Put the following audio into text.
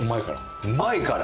うまいから！